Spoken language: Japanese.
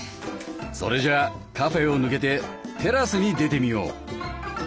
それじゃあカフェを抜けてテラスに出てみよう！